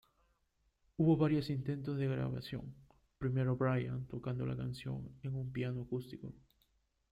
Hubo varios intentos de grabación, primero Brian tocando la canción en un piano acústico.